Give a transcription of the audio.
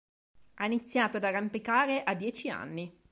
Ha iniziato ad arrampicare a dieci anni.